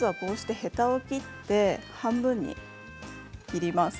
ヘタを切って半分に切ります。